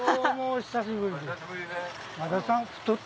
お久しぶりです。